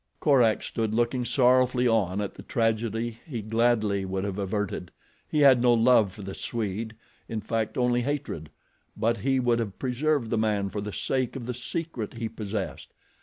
Korak stood looking sorrowfully on at the tragedy he gladly would have averted. He had no love for the Swede, in fact only hatred; but he would have preserved the man for the sake of the secret he possessed.